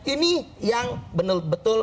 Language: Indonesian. ini yang betul betul